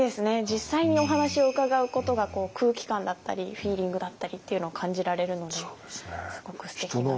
実際にお話を伺うことが空気感だったりフィーリングだったりっていうのを感じられるのですごくすてきな。